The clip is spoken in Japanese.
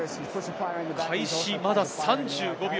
開始まだ３５秒。